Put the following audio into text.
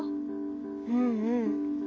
うんうん。